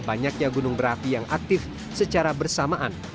banyaknya gunung berapi yang aktif secara bersamaan